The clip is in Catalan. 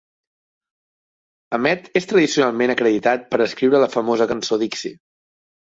Emet és tradicionalment acreditat per escriure la famosa cançó Dixi.